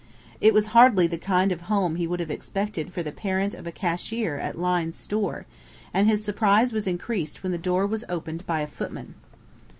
It was hardly the kind of home he would have expected for the parent of a cashier at Lyne's Store, and his surprise was increased when the door was opened by a footman.